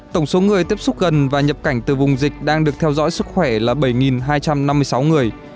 tổng số người tiếp xúc gần và nhập cảnh từ vùng dịch đang được theo dõi sức khỏe là bảy hai trăm năm mươi sáu người